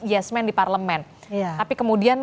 yes man di parlemen tapi kemudian